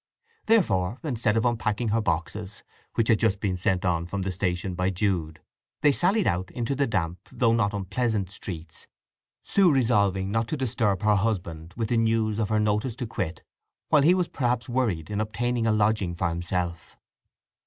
Therefore, instead of unpacking her boxes, which had just been sent on from the station by Jude, they sallied out into the damp though not unpleasant streets, Sue resolving not to disturb her husband with the news of her notice to quit while he was perhaps worried in obtaining a lodging for himself.